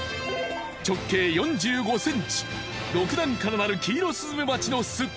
直径４５ｃｍ６段からなるキイロスズメバチの巣。